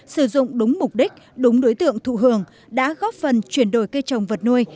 sử dụng đúng mục đích đúng đối tượng thụ hưởng đã góp phần chuyển đổi cây trồng vật nuôi